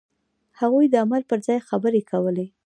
هغوی د عمل پر ځای خبرې کولې.